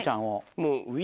もう。